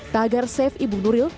tagar safe ibu nuril